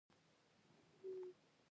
هره چوپتیا کمزوري نه ده